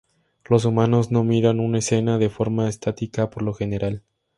Los humanos no miran una escena de forma estática por lo general.